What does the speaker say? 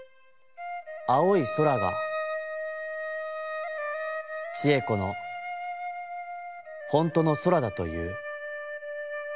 青い空が智恵子のほんとの空だといふ。